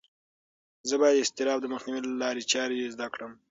زه باید د اضطراب د مخنیوي لارې چارې زده کړم.